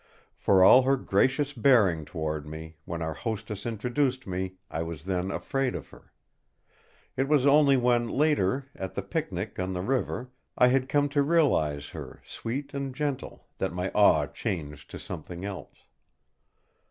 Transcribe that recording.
For all her gracious bearing toward me, when our hostess introduced me, I was then afraid of her. It was only when later, at the picnic on the river, I had come to realise her sweet and gentle, that my awe changed to something else.